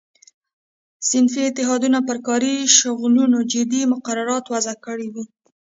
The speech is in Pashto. صنفي اتحادیو پر کاري شغلونو جدي مقررات وضع کړي وو.